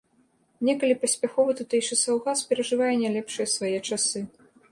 Некалі паспяховы тутэйшы саўгас перажывае не лепшыя свае часы.